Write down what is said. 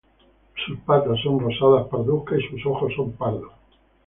Sus patas son rosado parduzcas y sus ojos son pardos.